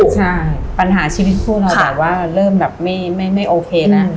ใช่ปัญหาชีวิตคู่เราแบบว่าเริ่มแบบไม่โอเคแล้ว